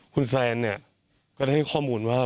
คุณแซนก็ได้ข้อมูลว่า